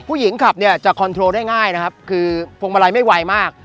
คนขับเนี่ยจะคอนโทรลได้ง่ายนะครับคือพวงมาลัยไม่ไวมาก